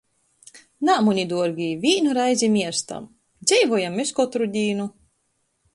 Nā, muni duorgī, vīnu reizi mierstam... dzeivojam mes kotru dīnu!